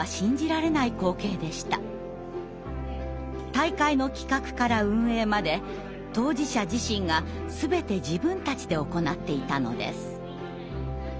大会の企画から運営まで当事者自身が全て自分たちで行っていたのです。